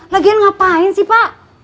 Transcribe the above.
lagian ngapain sih pak